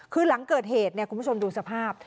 คือหลังเกิดเหตุเนี่ยคุณผู้ชมดูสภาพ